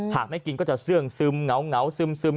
ไม่กินก็จะเสื่องซึมเหงาซึม